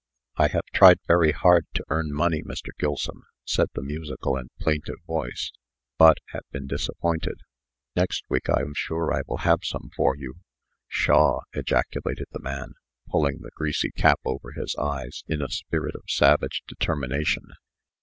"I have tried very hard to earn money, Mr. Gilsum," said the musical and plaintive voice, but have been disappointed. Next week I am sure I will have some for you." "Pshaw!" ejaculated the man, pulling the greasy cap over his eyes in a spirit of savage determination.